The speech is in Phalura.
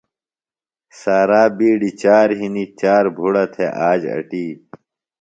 سارا بِیڈیۡ چار ہِنیۡ، چار بُھڑہ تھےۡ آج اٹی